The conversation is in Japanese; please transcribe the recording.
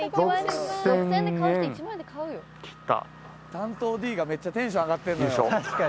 担当Ｄがめっちゃテンション上がってんのよ。